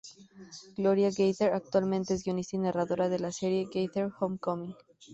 Gloria Gaither actualmente es guionista y narradora de la Serie Gaither Homecoming.